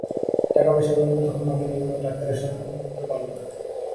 টাকা পয়সার অভাবে তখন মাকে নিয়ে কোনো ডাক্তারের শরণাপন্ন হতেও পারলাম না।